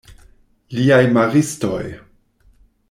Liaj maristoj!